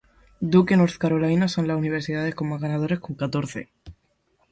Duke y North Carolina son las universidades con más ganadores con catorce.